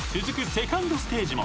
セカンドステージも］